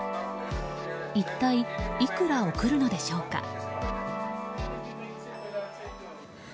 一体いくら送るのでしょうか。